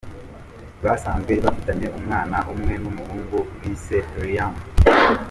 Basanzwe bafitanye umwanan umwe w’umuhungu bise Liam.